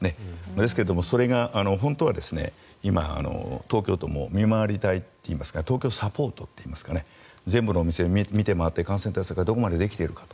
ですけども、それが本当は今、東京都も見回り隊というかサポートといいますか全部のお店を見て回って感染対策がどこまでできているかと。